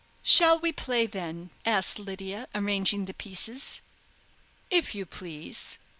"Shall we play, then?" asked Lydia, arranging the pieces. "If you please."